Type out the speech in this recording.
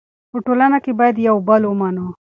په ټولنه کې باید یو بل ومنو.